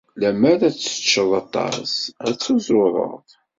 Lemmer ad tecced aṭas, ad tuzured.